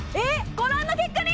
ご覧の結果に！